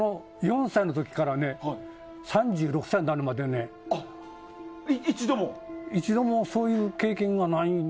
４歳の時から３６歳になるまでね一度もそういう経験がない。